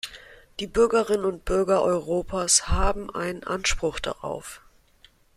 Die Bürgerinnen und Bürger Europas haben einen Anspruch darauf.